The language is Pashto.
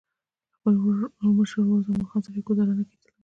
له خپل مشر ورور زمان خان سره یې ګوزاره نه کېدله.